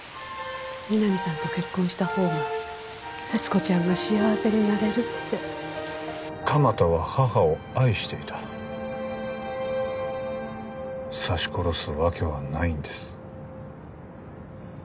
皆実さんと結婚したほうが勢津子ちゃんが幸せになれるって鎌田は母を愛していた刺し殺すわけはないんです